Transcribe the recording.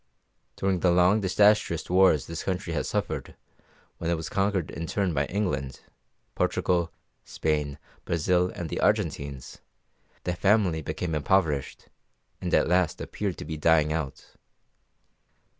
During the long, disastrous wars this country has suffered, when it was conquered in turn by England, Portugal, Spain, Brazil, and the Argentines, the family became impoverished, and at last appeared to be dying out.